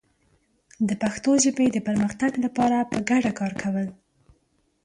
د پښتو ژبې د پرمختګ لپاره په ګډه کار کول